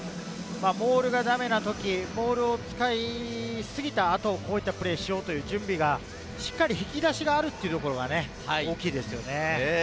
モールがダメなとき、モールを使い過ぎた後、こういったプレーをしようという準備、引き出しがあるというのが大きいですよね。